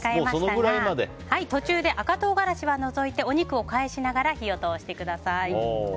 途中で赤唐辛子は除いてお肉を返しながら火を通してください。